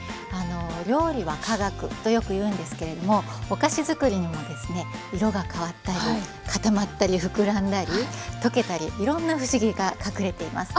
料理は科学とよくいうんですけれどもお菓子作りにもですね色が変わったり固まったり膨らんだり溶けたりいろんな不思議が隠れています。